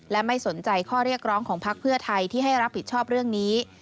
และไม่สนใจข้อเรียกร้องของพักเพื่อไทยที่ให้รับผิดชอบเรื่องนี้